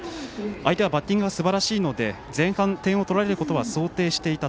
相手はバッティングはすばらしく前半点を取られるのが想定していた。